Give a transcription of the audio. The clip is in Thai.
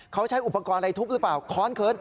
เขาใช้อุปกรณ์อะไรทุบหรือเปล่าค้อนเขิน